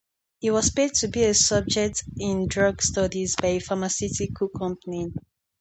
He was paid to be a subject in drug studies by a pharmaceutical company.